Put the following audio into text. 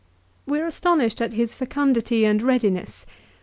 We are astonished at his fecun dity and readiness.